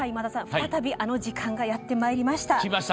再び、あの時間がやってまいりました。